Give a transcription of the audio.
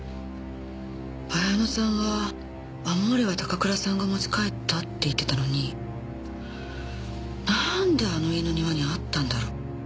彩乃さんは『アモーレ』は高倉さんが持ち帰ったって言ってたのになんであの家の庭にあったんだろう？